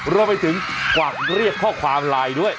รวมไปถึงกวักเรียกข้อความไลน์ด้วย